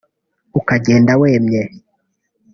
ukagenda wemye